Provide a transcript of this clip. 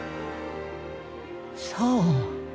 そう。